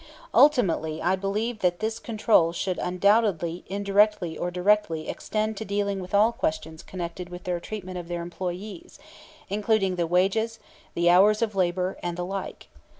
Ultimately, I believe that this control should undoubtedly indirectly or directly extend to dealing with all questions connected with their treatment of their employees, including the wages, the hours of labor, and the like.